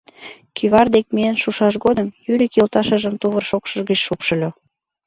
Кӱвар дек миен шушаш годым Юрик йолташыжым тувыр шокшыж гыч шупшыльо.